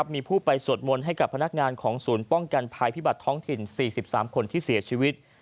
มีผู้ไปสวดมนต์ให้กับพนักงานของศูนย์ป้องกันภัยพิบัตรท้องถิ่น๔๓คนที่เสียชีวิต